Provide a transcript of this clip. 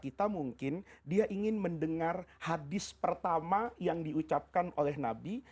kita mungkin dia ingin mendengar hadis pertama yang diucapkan oleh nabi